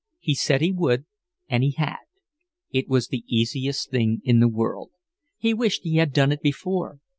He said he would, and he had. It was the easiest thing in the world. He wished he had done it before.